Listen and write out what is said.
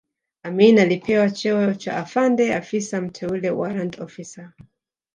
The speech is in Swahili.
Amin alipewa cheo cha Afande Afisa Mteule warrant officer